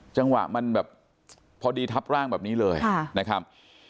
จังหวะมันแบบพอดีทับร่างแบบนี้เลยนะครับ